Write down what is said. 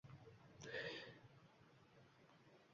Ko’plab package managerlardan unumli foydalanadi